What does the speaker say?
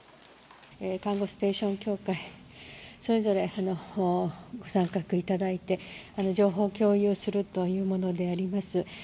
看護ステーション協会それぞれ参画させていただいて情報共有するというものであります。